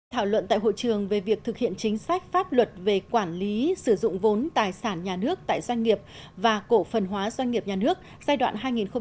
thảo luận tại hội trường về việc thực hiện chính sách pháp luật về quản lý sử dụng vốn tài sản nhà nước tại doanh nghiệp và cổ phần hóa doanh nghiệp nhà nước giai đoạn hai nghìn một mươi sáu hai nghìn một mươi tám